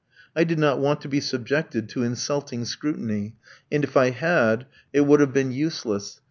I did not want to be subjected to insulting scrutiny, and, if I had, it would have been useless.